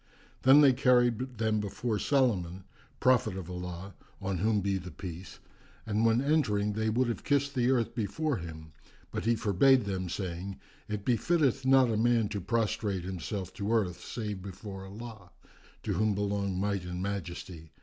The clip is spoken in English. Then they carried them before Solomon, prophet of Allah (on whom be the Peace!), and when entering they would have kissed the earth before him; but he forbade them, saying, "It befitteth not a man prostrate himself to earth save before Allah (to whom belong Might and Majesty!)